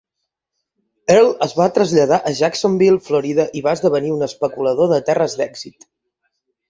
Earl es va traslladar a Jacksonville, Florida i va esdevenir un especulador de terres d'èxit.